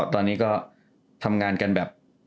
ตอนนี้ก็ทำงานกันแบบ